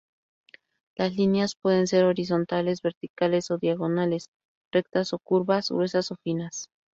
Las líneas pueden ser horizontales, verticales o diagonales; rectas o curvas, gruesas o finas.